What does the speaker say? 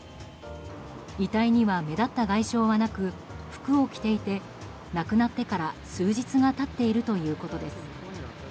遺体には目立った外傷はなく服を着ていて亡くなってから数日が経っているということです。